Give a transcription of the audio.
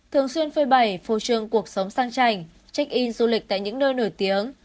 thường xuyên phơi bẩy phô trương cuộc sống sang trành check in du lịch tại những nơi nổi tiếng